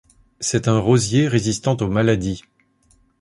C'est un rosier résistant aux maladies.